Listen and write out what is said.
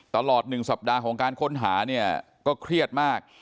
ตลอด๑สัปดาห์ของการค้นหาเนี่ยก็เครียดมาก